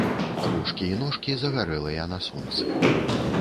Ручкі і ножкі загарэлыя на сонцы.